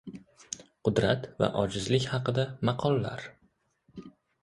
Qudrat va ojizlik haqida maqollar.